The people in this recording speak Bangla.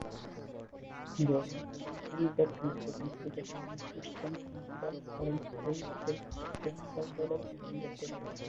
ঘরোয়া প্রথম-শ্রেণীর দক্ষিণ আফ্রিকান ক্রিকেটে North Eastern Transvaal, Orange Free State ও ট্রান্সভাল দলের প্রতিনিধিত্ব করেন।